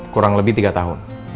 kurang lebih tiga tahun